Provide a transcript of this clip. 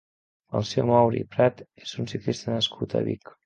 Melcior Mauri i Prat és un ciclista nascut a Vic.